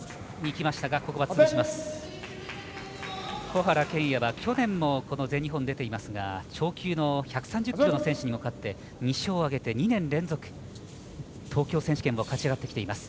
小原拳哉は去年も全日本に出ていますが超級の１３０ｋｇの選手にも勝って、２勝を挙げて２年連続、東京選手権を勝ち上がってきています。